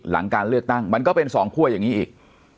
หลังการเลือกตั้งมันก็เป็นสองคั่วอย่างนี้อีก